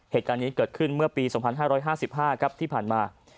เหตุการณ์นี้เกิดขึ้นเมื่อปี๒๕๕๕ครับที่ผ่านมา